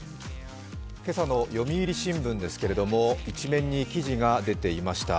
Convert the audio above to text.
今朝の読売新聞ですが、１面に記事が出ていました。